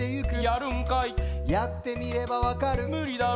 やってみればわかるむりだろ